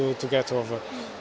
kerjanya kelantangan dengan pandan